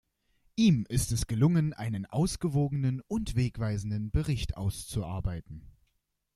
Ihm ist es gelungen, einen ausgewogenen und wegweisenden Bericht auszuarbeiten.